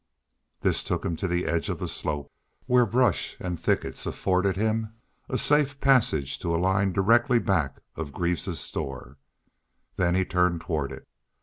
This took him to the edge of the slope, where brush and thickets afforded him a safe passage to a line directly back of Greaves's store. Then he turned toward it.